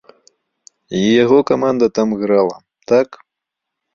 І яго каманда там грала, так?